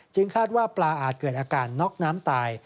คาดว่าปลาอาจเกิดอาการน็อกน้ำตาย